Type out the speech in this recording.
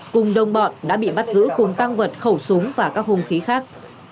cùng đồng bọn đã bị bắt giữ cùng tăng vật khẩu súng và các hung khí khác